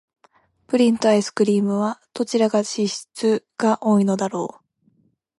プリンとアイスクリームは、どちらが脂質が多いのだろう。